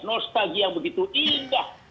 nostalgia yang begitu indah